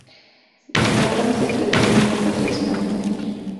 La trama está inspirada en una copla tradicional malagueña.